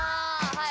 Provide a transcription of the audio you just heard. はい